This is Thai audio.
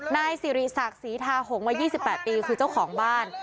นายสิริศักดิ์ศรีทาหงมา๒๘ปีคือเจ้าของบ้าน